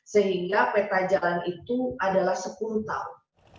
sehingga peta jalan itu adalah sepuluh tahun